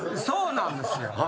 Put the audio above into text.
そうなんですよ。